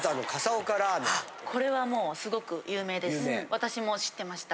私も知ってました。